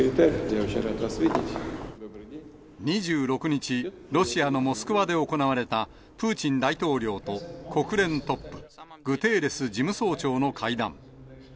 ２６日、ロシアのモスクワで行われた、プーチン大統領と国連トップ、グテーレス事務総長の会談。